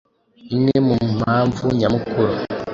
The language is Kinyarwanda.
imwe mu mpamvu nyamukuru